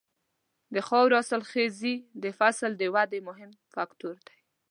د خاورې حاصلخېزي د فصل د ودې مهم فکتور دی.